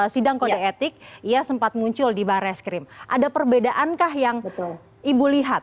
sidang kode etik ia sempat muncul di barreskrim ada perbedaankah yang ibu lihat